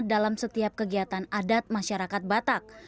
dalam setiap kegiatan adat masyarakat batak